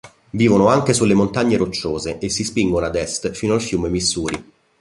Vivono anche sulle Montagne Rocciose e si spingono ad est fino al fiume Missouri.